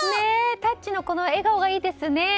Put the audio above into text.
タッチのこの笑顔がいいですね。